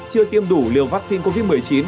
chưa tiêm đủ liều vắc xin covid một mươi chín